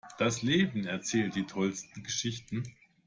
Das Leben erzählt die tollsten Geschichten.